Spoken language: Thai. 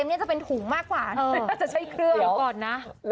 มันขึ้นเลยย่ากรอดก่อนนะ